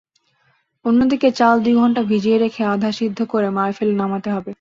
অন্যদিকে চাল দুই ঘণ্টা ভিজিয়ে রেখে আধা সিদ্ধ করে মাড় ফেলে নামাতে হবে।